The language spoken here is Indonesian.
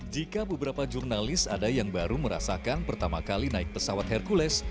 jika beberapa jurnalis ada yang baru merasakan pertama kali naik pesawat hercules